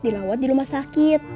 dilawat di rumah sakit